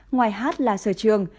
ngoài hát là sở trường